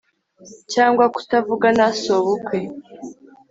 cyangwa kutavugana sobukwe